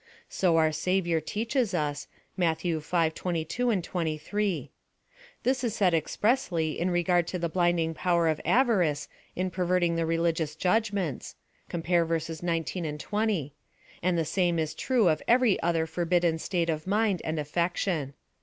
So cur Saviour teaches us, Matth. V. 22, 23. This is said expressly in regard to the blinding power of avarice in perverting the religious judgments, (compare vs. 19, 20 ;) and the same is true of every other forbidden state of mind and affection.